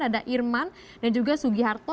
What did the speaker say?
ada irman dan juga sugi harto